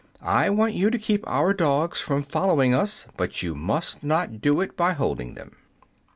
I want you to keep our dogs from following us; but you must not do it by holding them."